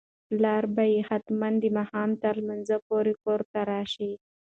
پلار به یې حتماً د ماښام تر لمانځه پورې کور ته راشي.